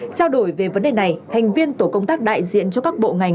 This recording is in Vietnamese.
trao đổi về vấn đề này thành viên tổ công tác đại diện cho các bộ ngành